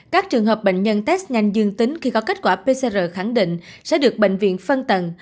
các trường hợp bệnh nhân test nhanh dương tính khi có kết quả pcr khẳng định sẽ được bệnh viện phân tầng